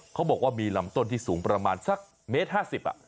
เขาบอกว่ามีลำต้นที่สูงประมาณสักเมตร๕๐